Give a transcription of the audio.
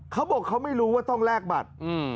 เขาบอกเขาไม่รู้ว่าต้องแลกบัตร